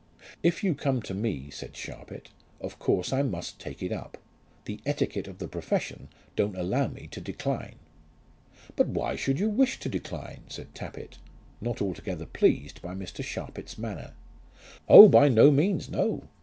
"If you come to me," said Sharpit, "of course I must take it up. The etiquette of the profession don't allow me to decline." "But why should you wish to decline?" said Tappitt, not altogether pleased by Mr. Sharpit's manner. "Oh, by no means; no.